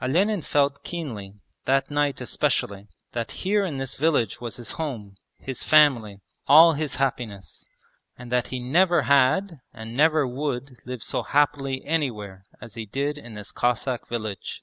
Olenin felt keenly, that night especially, that here in this village was his home, his family, all his happiness, and that he never had and never would live so happily anywhere as he did in this Cossack village.